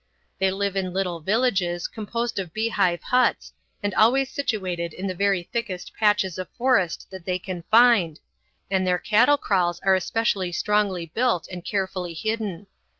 They live in little villages composed of beehive huts and always situated in the very thickest patches of forest that they can find, and their cattle kraals are especially strongly built and carefully hidden.